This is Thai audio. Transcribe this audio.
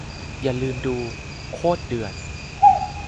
อย่าลืมดู โคตรเดือด